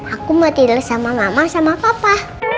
aku gak tidur sama mama sama papa